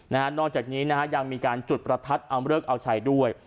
นอกจากนี้นะฮะยังมีการจุดประทัดเอาเลิกเอาชัยด้วย